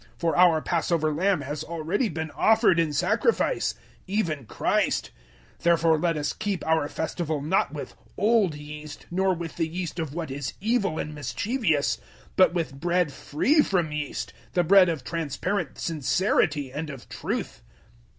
For our Passover Lamb has already been offered in sacrifice even Christ. 005:008 Therefore let us keep our festival not with old yeast nor with the yeast of what is evil and mischievous, but with bread free from yeast the bread of transparent sincerity and of truth.